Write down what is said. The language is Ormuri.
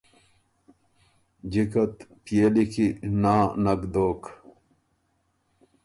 جِکه ت پئے لیکی نا نک دوک۔